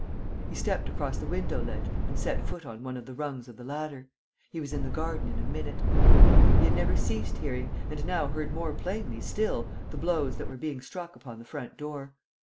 He stepped across the window ledge and set foot on one of the rungs of the ladder. He was in the garden in a minute. He had never ceased hearing and now heard more plainly still the blows that were being struck upon the front door.